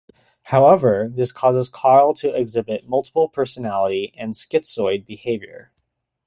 However this causes Karl to exhibit multiple personality and schizoid behavior.